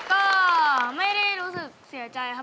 ก็ไม่ได้รู้สึกเสียใจครับ